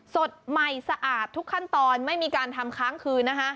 สดใหม่สะอาดทุกขั้นตอนไม่มีการทำค้างคืนนะคะ